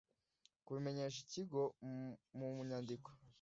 kubimenyesha ikigo mu mu nyandiko